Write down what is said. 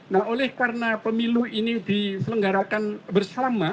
nah oleh karena pemilu ini diselenggarakan bersama